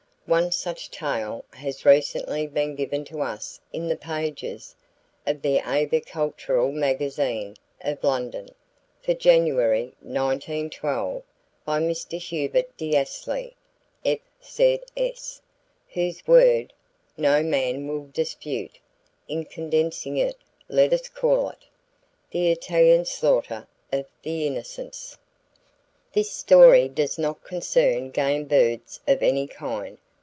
One such tale has recently been given to us in the pages of the Avicultural Magazine, of London, for January, 1912, by Mr. Hubert D. Astley, F.Z.S., whose word no man will dispute. In condensing it, let us call it The Italian Slaughter Of The Innocents This story does not concern game birds of any kind.